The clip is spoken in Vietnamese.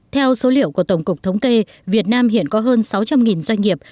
theo số liệu của tổng cục thống kê việt nam hiện có hơn sáu trăm linh doanh nghiệp